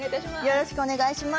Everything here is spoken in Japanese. よろしくお願いします。